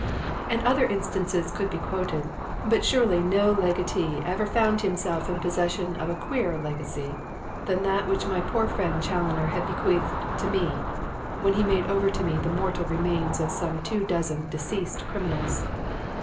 And other instances could be quoted. But surely no legatee ever found himself in possession of a queerer legacy than that which my poor friend Challoner had bequeathed to me when he made over to me the mortal remains of some two dozen deceased criminals.